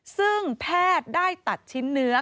ซึ่งแพทย์ได้ตัดชิ้นเนื้อ